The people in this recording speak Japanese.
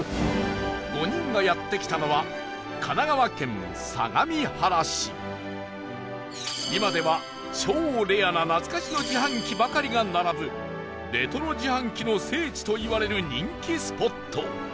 ５人がやって来たのは今では超レアな懐かしの自販機ばかりが並ぶレトロ自販機の聖地といわれる人気スポット